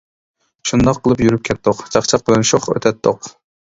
شۇنداق قىلىپ يۈرۈپ كەتتۇق، چاقچاق بىلەن شوخ ئۆتەتتۇق.